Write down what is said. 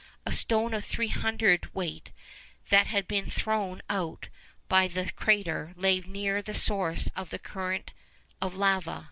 A stone of three hundredweight, that had been thrown out by the crater, lay near the source of the current of lava.